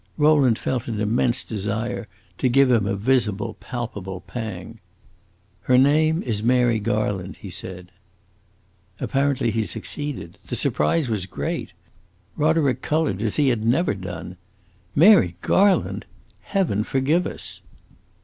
Rowland felt an immense desire to give him a visible, palpable pang. "Her name is Mary Garland," he said. Apparently he succeeded. The surprise was great; Roderick colored as he had never done. "Mary Garland? Heaven forgive us!"